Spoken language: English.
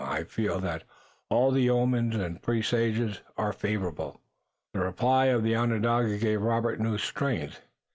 I feel that all the omens and presages are favorable." The reply of the Onondaga gave Robert new strength.